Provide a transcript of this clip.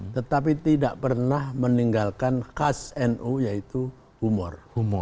tetapi tidak pernah meninggalkan khas nu yaitu humor humor